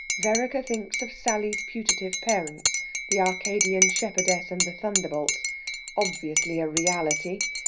Vereker thinks of Sally's putative parents, the Arcadian shepherdess and the thunderbolt. Obviously a reality!